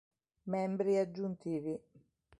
Membri aggiuntivi